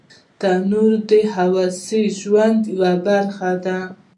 تنور د هوسا ژوند یوه برخه ده